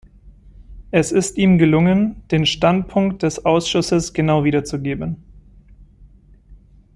Es ist ihm gelungen, den Standpunkt des Ausschusses genau wiederzugeben.